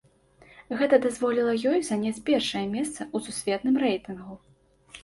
Гэта дазволіла ёй заняць першае месца ў сусветным рэйтынгу.